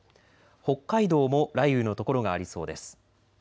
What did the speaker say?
北海道も雷雨の所がありそうです。